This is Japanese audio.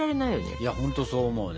いやほんとそう思うね。